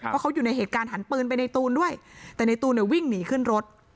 เพราะเขาอยู่ในเหตุการณ์หันปืนไปในตูนด้วยแต่ในตูนเนี่ยวิ่งหนีขึ้นรถ